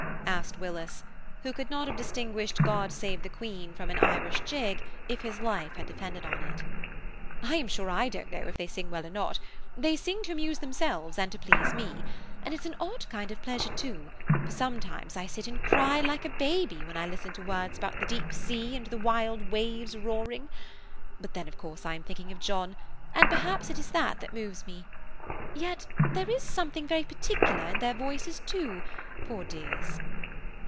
asked Willis, who could not have distinguished God save the Queen from an Irish jig if his life had depended on it. "I am sure I don't know if they sing well or not; they sing to amuse themselves, and to please me; and it's an odd kind of pleasure, too, for sometimes I sit and cry like a baby, when I listen to words about the deep sea and the wild waves roaring; but then, of course, I am thinking of John, and perhaps it is that that moves me–and yet there is something very particular in their voices, too, poor dears."